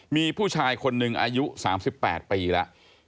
มีผู้ชายคนหนึ่งอายุ๓๘ปีแล้ว